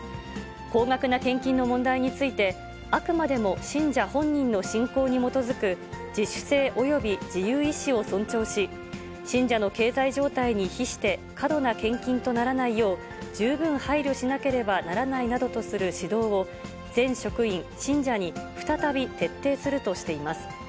高額な献金の問題について、あくまでも信者本人の信仰に基づく自主性および自由意思を尊重し、信者の経済状態に比して過度な献金とならないよう、十分配慮しなければならないなどとする指導を全職員、信者に再び徹底するとしています。